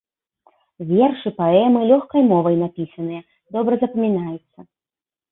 Вершы, паэмы лёгкай мовай напісаныя, добра запамінаюцца.